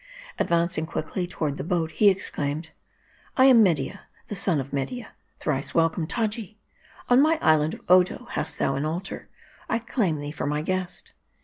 Ad vancing quickly toward the boat, he exclaimed " I am Media, the son of Media. Thrice welcome, Taji. On my island of Odo hast thou an altar. I claim thee for my guest."